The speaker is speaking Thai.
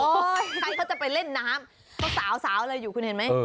ใครเขาจะไปเล่นน้ำเขาสาวอะไรอยู่คุณเห็นไหม